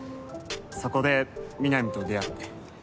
そこでミナミと出会って。